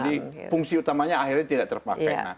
jadi fungsi utamanya akhirnya tidak terpakai